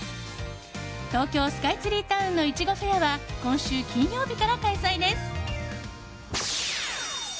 東京スカイツリータウンのいちごフェアは今週金曜日から開催です。